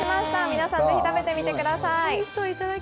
皆さん、ぜひ食べてみてください。